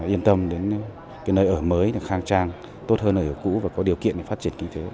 yên tâm đến cái nơi ở mới được khang trang tốt hơn nơi ở cũ và có điều kiện để phát triển kinh tế